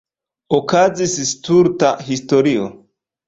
Okazis stulta historio.